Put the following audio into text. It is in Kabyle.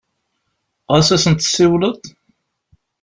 Ɣas ad sen-tsiwleḍ?